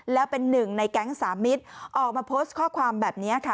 แล้วเป็นหนึ่งในแก๊งสามิตรออกมาโพสต์ข้อความแบบนี้ค่ะ